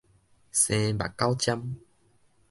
生目狗針